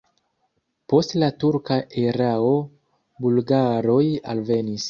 Post la turka erao bulgaroj alvenis.